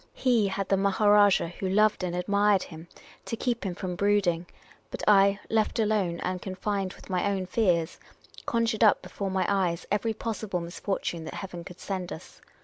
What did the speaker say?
He had the The Oriental Attendant 3<^3 Maharajah, who loved and admired him, to keep him from brooding ; but I, left alone, and confined with my own fears, conjured up before my eyes every possible misfortune that Heaven could send us.